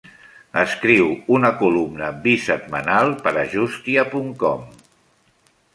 Escriu una columna bisetmanal per a justia punt com.